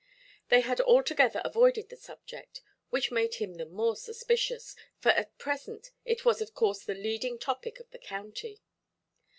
They had altogether avoided the subject; which made him the more suspicious, for at present it was of course the leading topic of the county.